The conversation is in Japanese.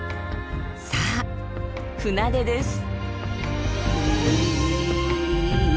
さあ船出です。